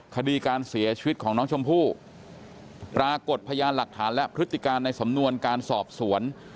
คดีการเสียชีวิตของน้องชมพู่ปรากฏพยานหลักฐานและพฤติการในสำนวนการสอบสวน